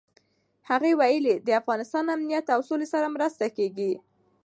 هغه ویلي، د افغانستان امنیت او سولې سره مرسته کېږي.